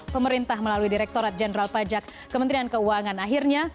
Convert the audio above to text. pemerintah melalui direkturat jenderal pajak kementerian keuangan akhirnya